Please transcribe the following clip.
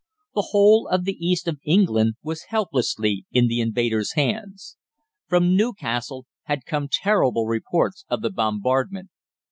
The whole of the east of England was helplessly in the invader's hands. From Newcastle had come terrible reports of the bombardment.